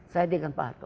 saya dengan pak hatto